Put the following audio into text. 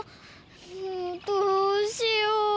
もうどうしよう。